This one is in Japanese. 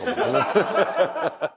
ハハハハハ。